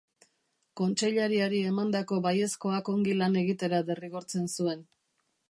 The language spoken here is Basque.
Kontseilariari emandako baiezkoak ongi lan egitera derrigortzen zuen.